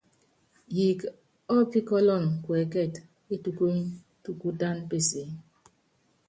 Yiik ɔ́píkɔ́lɔn kuɛ́kɛt é tubuny tuukútán pesée.